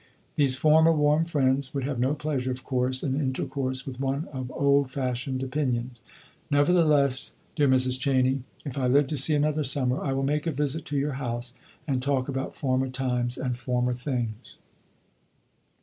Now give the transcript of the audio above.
These former warm friends would have no pleasure, of course, in intercourse with one of old fashioned opinions. Nevertheless, dear Mrs. Cheney, if I live to see another summer, I will make a visit to your house, and talk about former times and former things."